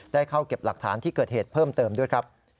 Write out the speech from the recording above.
ได้เข้าเก็บหลักฐานที่เกิดเหตุเพิ่มเติมด้วยครับ